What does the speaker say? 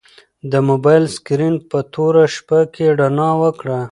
د موبایل سکرین په توره شپه کې رڼا وکړه.